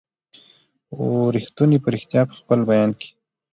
وو ریښتونی په ریشتیا په خپل بیان کي